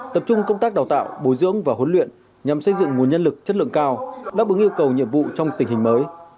tập trung công tác đào tạo bồi dưỡng và huấn luyện nhằm xây dựng nguồn nhân lực chất lượng cao đáp ứng yêu cầu nhiệm vụ trong tình hình mới